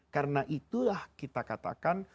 karena itulah kita katakan